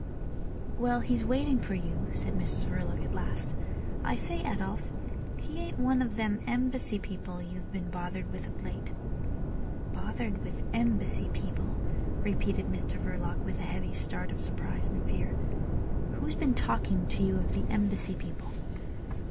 "Well—he's waiting for you," said Mrs Verloc at last. "I say, Adolf, he ain't one of them Embassy people you have been bothered with of late?" "Bothered with Embassy people," repeated Mr Verloc, with a heavy start of surprise and fear. "Who's been talking to you of the Embassy people?"